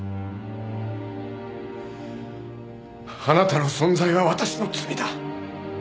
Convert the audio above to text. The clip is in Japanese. あなたの存在は私の罪だ。